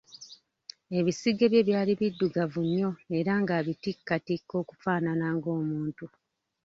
Ebisige bye byali biddugavu nnyo, era ng'abitikkatikka okufaanana ng'omuntu.